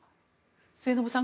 末延さん